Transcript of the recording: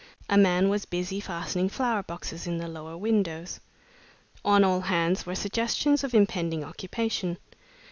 A man was busy fastening flower boxes in the lower windows. On all hands were suggestions of impending occupation.